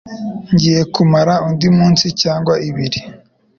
Ngiye kumara undi munsi cyangwa ibiri